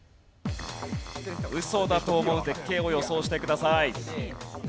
ウソだと思う絶景を予想してください。